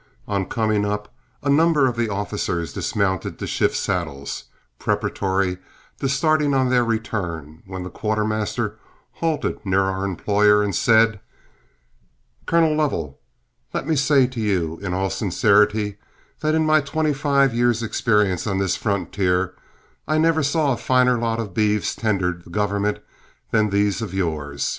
On coming up, a number of the officers dismounted to shift saddles, preparatory to starting on their return, when the quartermaster halted near our employer and said: "Colonel Lovell, let me say to you, in all sincerity, that in my twenty five years' experience on this frontier, I never saw a finer lot of beeves tendered the government than these of yours.